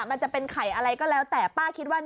มันจะเป็นไข่อะไรก็แล้วแต่ป้าคิดว่า